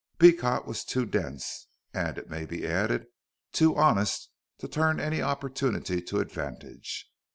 Beecot was too dense, and, it may be added, too honest to turn any opportunity to advantage.